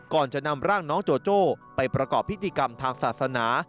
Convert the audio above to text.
ก่อนจะนำร่างน้องโจโจ้ไปประกอบพิธีกรรมทางศาสนา